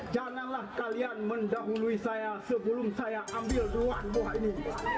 janganlah kalian mendahului saya sebelum saya ambil dua buah ini